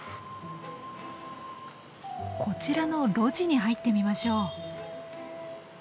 こちらの路地に入ってみましょう。